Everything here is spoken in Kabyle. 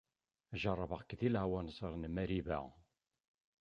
Jeṛṛbeɣ-k di leɛwanser n Mariba.